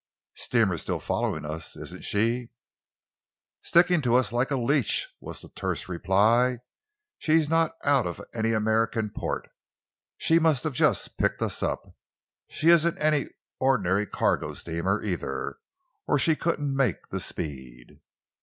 "Steamer's still following us, isn't she?" "Sticking to us like a leech," was the terse reply. "She is not out of any American port. She must have just picked us up. She isn't any ordinary cargo steamer, either, or she couldn't make the speed."